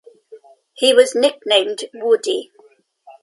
He was nicknamed "Woody".